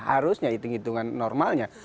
arusnya itu ngitungan normalnya